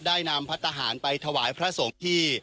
ได้นำพระทหารไปถวายพระสงฆ์ที่